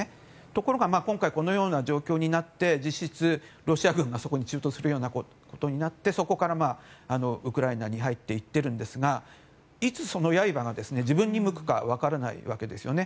ところが今回このような状況になって実質、ロシア軍が駐屯するようなことになってそこからウクライナに入っていっているんですがいつその刃が自分に向くか分からないわけです。